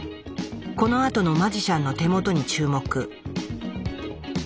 このあとのマジシャンの手元に注目。